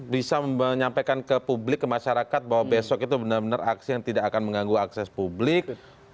bisa menyampaikan ke publik ke masyarakat bahwa besok itu benar benar aksi yang tidak akan mengganggu akses publik